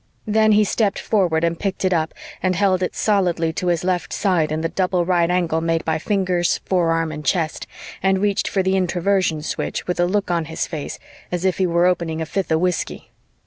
Then he stepped forward and picked it up and held it solidly to his left side in the double right angle made by fingers, forearm and chest, and reached for the Introversion switch with a look on his face as if he were opening a fifth of whisky.